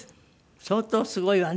相当すごいわね